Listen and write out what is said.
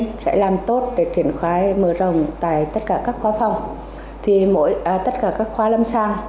đơn vị chống đau sẽ làm tốt để triển khai mở rồng tại tất cả các khoa phòng tất cả các khoa lâm sang